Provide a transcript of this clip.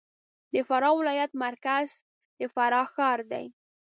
د فراه ولایت مرکز د فراه ښار دی